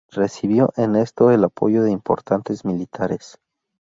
Recibió en esto el apoyo de importantes militares.